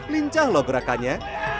lincah lho gerakannya